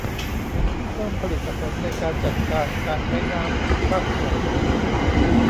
เพิ่มผลิตผลในการจัดการการใช้น้ำทุกภาคส่วน